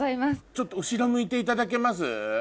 ちょっと後ろ向いていただけます？